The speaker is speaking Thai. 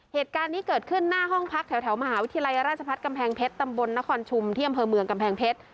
เหตุการณ์นี้เกิดขึ้นหน้าห้องพักแถวมหาวิทยาลัยราชพัฒน์กำแพงเพชรตำบลนครชุมที่อำเภอเมืองกำแพงเพชร